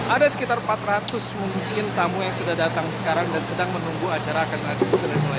ada sekitar empat ratus mungkin tamu yang sudah datang sekarang dan sedang menunggu acara akan hadir